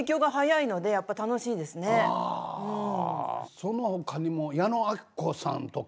そのほかにも矢野顕子さんとか。